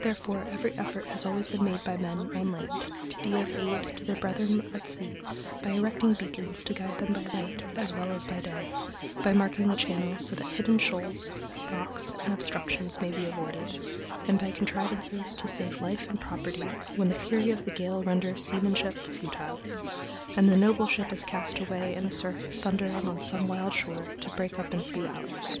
Therefore, every effort has always been made by men on land to be of aid to their brethren at sea by erecting beacons to guide them by night as well as by day, by marking the channels, so that hidden shoals, rocks, and obstructions may be avoided, and by contrivances to save life and property when the fury of the gale renders seamanship futile, and the noble ship is cast away in the surf thundering on some wild shore, to break up in a few hours.